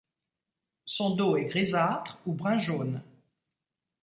Son dos est grisâtre ou brun-jaune.